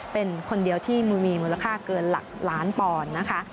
เป็นคนเดียวที่มีมูลค่าเกินหลักล้านปอนด์นะคะ